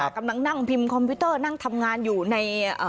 กำลังนั่งพิมพ์คอมพิวเตอร์นั่งทำงานอยู่ใน